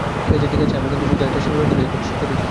ঠিক আছে, আমি কিন্তু এটা শুধু সিমুলেটরেই করেছি।